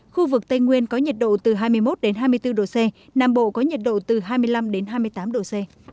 khu vực tây nguyên có nhiệt độ từ hai mươi một hai mươi bốn độ c nam bộ có nhiệt độ từ hai mươi năm đến hai mươi tám độ c